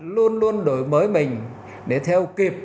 luôn luôn đổi mới mình để theo kịp